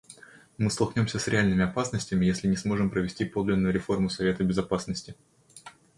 Мы столкнемся с реальными опасностями, если не сможем провести подлинную реформу Совета Безопасности.